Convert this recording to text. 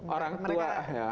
orang tua ya